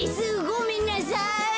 ごめんなさい。